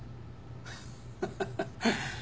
ハハハハッ。